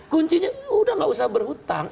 kuncinya udah gak usah berhutang